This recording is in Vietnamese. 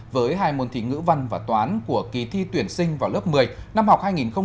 với hai môn thi ngữ văn và toán của kỳ thi tuyển sinh vào lớp một mươi năm học hai nghìn một mươi chín hai nghìn hai mươi